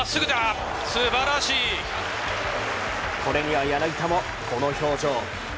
これには柳田も、この表情。